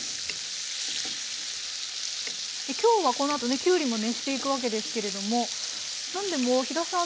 今日はこのあとねきゅうりも熱していくわけですけれども何でも飛田さんの旦那さんは